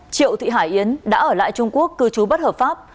triệu thị hải yến đã ở lại trung quốc cư trú bất hợp pháp